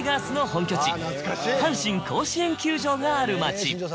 阪神甲子園球場がある町。